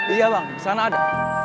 iya bang disana ada